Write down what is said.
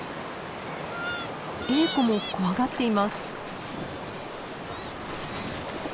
エーコも怖がっています。